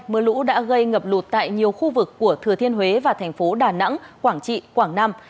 mưa lũ đã gây ngập lụt tại nhiều khu vực của thừa thiên huế và thành phố đà nẵng quảng trị quảng nam